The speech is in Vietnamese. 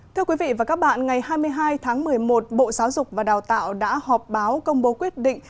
thưa quý vị và các bạn ngày hai mươi hai tháng một mươi một bộ giáo dục và đào tạo đã họp báo công bố quyết định